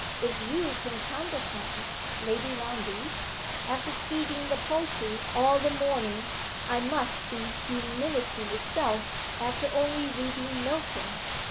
"If you can condescend, Lady Lundie, after feeding the poultry all the morning, I must be humility itself after only reading Milton!"